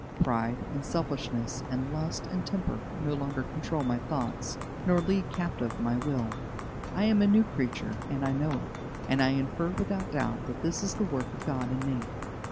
Pride and selfishness, and lust and temper, no longer control my thoughts nor lead captive my will. I am a new creature, and I know it, and I infer without doubt that this is the work of God in me.